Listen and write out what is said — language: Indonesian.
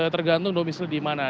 tergantung domisili dimana